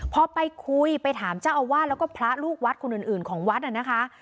พอไปคุยไปถามเจ้าอาวาสแล้วก็พระลูกวัดคนอื่นของวัดน่ะนะคะ